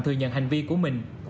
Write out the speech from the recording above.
thừa nhận hành vi của mình